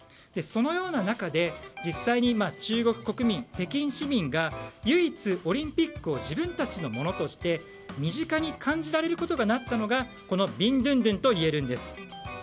そのような中で実際に中国国民、北京市民が唯一オリンピックを自分たちのものとして身近に感じられることになったのがこのビンドゥンドゥンといえるんです。